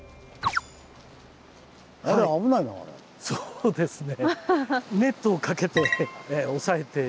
そうですね。